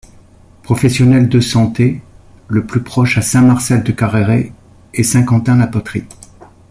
Professionnels de santé le plus proches à Saint-Marcel-de-Careiret et Saint-Quentin-la-Poterie.